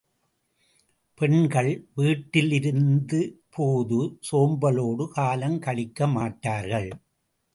பெண்கள் வீட்டிலிருந்தபோது சோம்பலோடு காலங் கழிக்கமாட்டார்கள்.